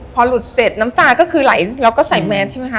พอหลุดเสร็จน้ำตาก็คือไหลเราก็ใส่แมนใช่ไหมคะ